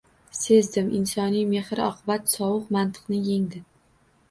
Sezdim: insoniy mehr-oqibat sovuq mantiqni yengdi.